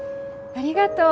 ありがとう。